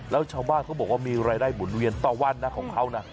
แล้วชาวบ้านเขาบอกว่ามีรายได้หมุนเวียนต่อวันนะของเขานะ